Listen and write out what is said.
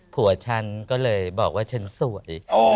ผัวฉันก็เลยบอกว่าฉันสวย